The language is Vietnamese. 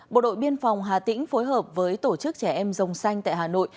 bộ đội biên phòng hà tĩnh phối hợp với tổ chức trẻ em rồng xanh tại hà nội